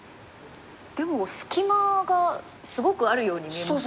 でも隙間がすごくあるように見えます。